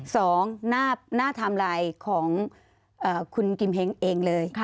สองหน้าไทม์ไลน์ของคุณกิมเฮ้งเองเลย